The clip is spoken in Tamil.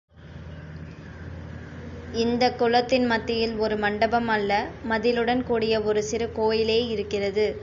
இந்தக் குளத்தின் மத்தியில் ஒரு மண்டபம் அல்ல, மதிலுடன் கூடிய ஒரு சிறு கோயிலே இருக்கிறது.